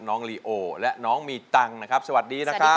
น้องลีโอและน้องมีตังค์นะครับสวัสดีนะครับ